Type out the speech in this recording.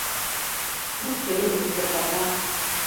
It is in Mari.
Куш тыге мустыртата?»